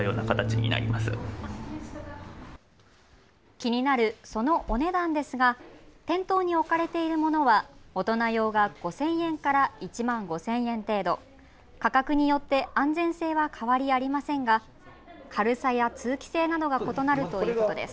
気になるそのお値段ですが店頭に置かれているものは大人用が５０００円から１万５０００円程度、価格によって安全性は変わりありませんが軽さや通気性などが異なるということです。